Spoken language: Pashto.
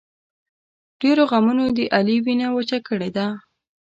ډېرو غمونو د علي وینه وچه کړې ده.